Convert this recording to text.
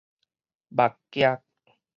木屐